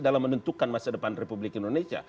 dalam menentukan masa depan republik indonesia